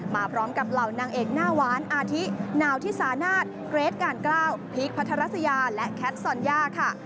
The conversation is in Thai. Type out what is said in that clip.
มาพร้อมกับเหล่านางเอกหน้าหวานอาทินาวที่สานาทเกรทกาลกล้าวพีคพัทรัสยาและแคทซอนยาค่ะ